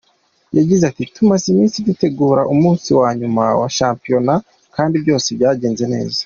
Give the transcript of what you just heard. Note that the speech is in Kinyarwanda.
Yagize ati: “Tumaze iminsi dutegura umunsi wa nyuma wa shampiyona kandi byose byagenze neza.